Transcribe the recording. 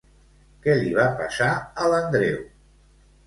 Què li va passar a l'Andreu?